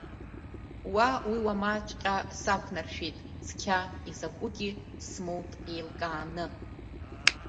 Уа, уи уамаҵәҟьа сақәнаршәеит, цқьа изакәугь смоут еилкааны.